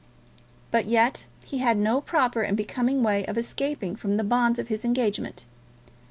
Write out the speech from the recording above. But yet he had no proper and becoming way of escaping from the bonds of his engagement.